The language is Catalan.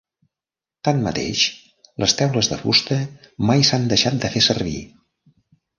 Tanmateix, les teules de fusta mai s'han deixat de fer servir.